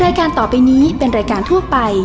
รายการต่อไปนี้เป็นรายการทั่วไป